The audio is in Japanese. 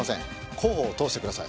広報を通してください。